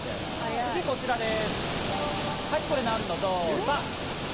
次こちらです。